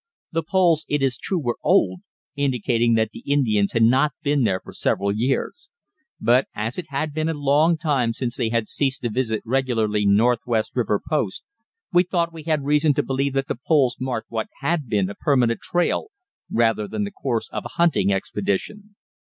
The poles, it is true, were old, indicating that the Indians had not been there for several years; but as it had been a long time since they had ceased to visit regularly Northwest River Post, we thought we had reason to believe that the poles marked what had been a permanent trail rather than the course of a hunting expedition.